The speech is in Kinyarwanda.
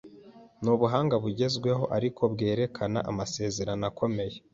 Nubuhanga bugezweho ariko bwerekana amasezerano akomeye.